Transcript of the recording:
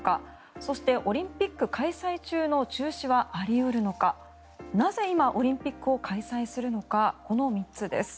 そして、オリンピック開催中の中止はあり得るのかなぜ今、オリンピックを開催するのかこの３つです。